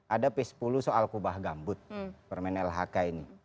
ada p sepuluh soal kubah gambut permen lhk ini